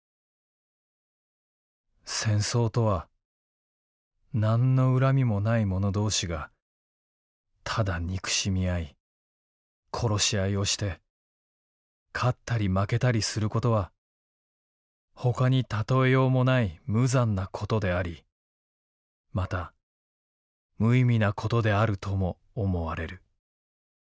「戦争とは何の恨みもない者同士がただ憎しみ合い殺し合いをして勝ったり負けたりすることはほかに例えようもない無残なことでありまた無意味なことであるとも思われる。